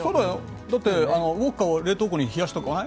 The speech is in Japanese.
だってウォッカは冷凍庫に冷やしておかない？